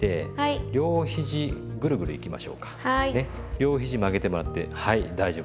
両ひじ曲げてもらってはい大丈夫です。